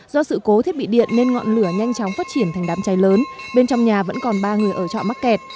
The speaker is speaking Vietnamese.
do sự cố thiết bị điện nên ngọn lửa nhanh chóng phát triển thành đám cháy lớn bên trong nhà vẫn còn ba người ở trọ mắc kẹt